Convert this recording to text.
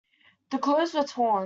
The clothes were torn.